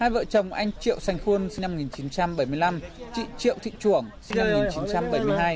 hai vợ chồng anh triệu sành khuôn sinh năm một nghìn chín trăm bảy mươi năm chị triệu thị trường sinh năm một nghìn chín trăm bảy mươi hai